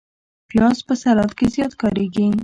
پیاز په سلاد کې زیات کارېږي